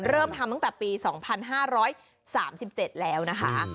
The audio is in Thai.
เริ่มทำตั้งแต่ปี๒๕๓๗แล้วนะคะ